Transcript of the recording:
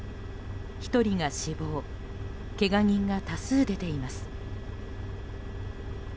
１人が死亡けが人が多数出ています。